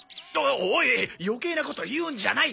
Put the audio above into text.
おい余計なこと言うんじゃない！